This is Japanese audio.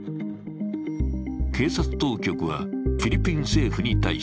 警察当局はフィリピン政府に対し、